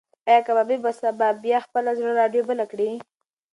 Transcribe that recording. ایا کبابي به سبا بیا خپله زړه راډیو بله کړي؟